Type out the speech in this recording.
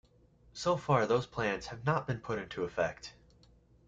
So far, those plans have not been put into effect.